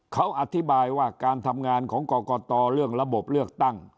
เขาอธิบายว่าการทำงานของกรกตเรื่องระบบเลือกตั้ง